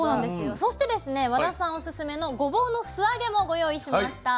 そしてですね和田さんオススメのごぼうの素揚げもご用意しました。